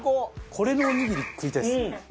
これのおにぎり食いたいっすね。